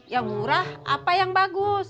ya murah apa yang bagus